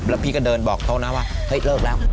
แล้วพี่ก็เดินบอกเขานะว่าเฮ้ยเลิกแล้ว